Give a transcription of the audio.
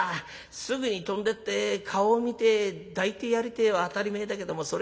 すぐに飛んでって顔を見て抱いてやりてえは当たり前だけどもそれができねえ。